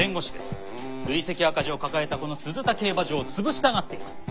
累積赤字を抱えたこの鈴田競馬場を潰したがっています。